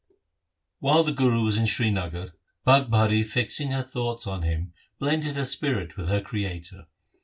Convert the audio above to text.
While the Guru was in Srinagar, Bhagbhari fixing her thoughts on him blended her spirit with her Creator.